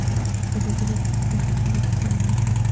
ازادي راډیو د ترانسپورټ په اړه رښتیني معلومات شریک کړي.